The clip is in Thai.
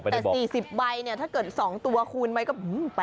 แต่๔๐ใบเนี่ยถ้าเกิด๒ตัวคูณไหมก็๘๐๐๐๐อยู่นะ